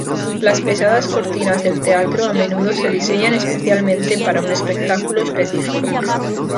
Las pesadas cortinas del Teatro a menudo se diseñan especialmente para un espectáculo específico.